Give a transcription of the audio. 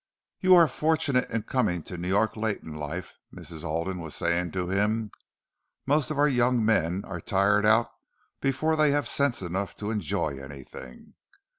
"You are fortunate in coming to New York late in life," Mrs. Alden was saying to him. "Most of our young men are tired out before they have sense enough to enjoy anything.